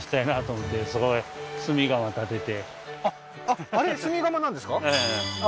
あっあっあれ炭窯なんですか？